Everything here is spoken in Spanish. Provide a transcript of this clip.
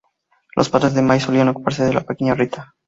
Los padres de Mae solían ocuparse de la pequeña Rita.